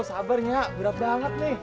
sabar nya berat banget nih